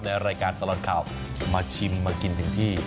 รายการตลอดข่าวมาชิมมากินถึงที่